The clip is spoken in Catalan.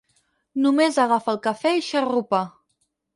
Només agafa el cafè i xarrupa.